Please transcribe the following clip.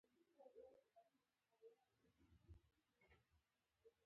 فولکلور د ولسي پوهې او کلتور هېنداره ده